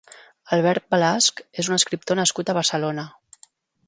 Albert Balasch és un escriptor nascut a Barcelona.